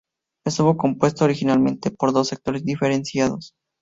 Estuvo compuesto originalmente por dos sectores diferenciados.